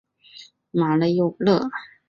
马勒维勒。